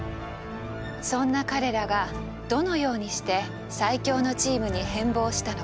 そんな彼らがどのようにして最強のチームに変貌したのか？